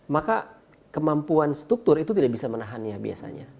maka kemampuan struktur itu tidak bisa menahannya biasanya